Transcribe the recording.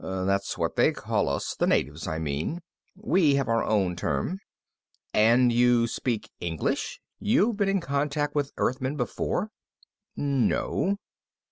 That's what they call us, the natives, I mean. We have our own term." "And you speak English? You've been in contact with Earthmen before?" "No."